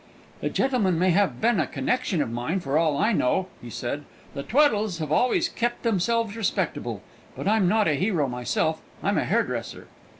"The gentleman may have been a connection of mine, for all I know," he said; "the Tweddles have always kep' themselves respectable. But I'm not a hero myself, I'm a hairdresser."